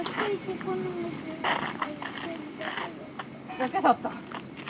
だけだった。